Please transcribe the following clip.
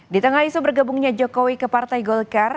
di tengah isu bergabungnya jokowi ke partai golkar